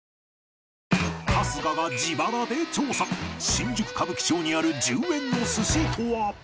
新宿歌舞伎町にある１０円の寿司とは？